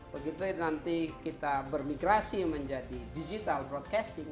begitu nanti kita bermigrasi menjadi digital broadcasting